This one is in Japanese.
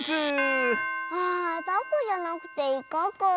あタコじゃなくてイカかあ。